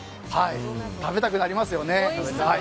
食べたくなりますよね。